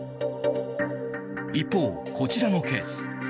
一方、こちらのケース。